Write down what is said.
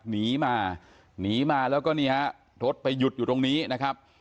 หนีมาหนีมาแล้วก็นี่ฮะรถไปหยุดอยู่ตรงนี้นะครับ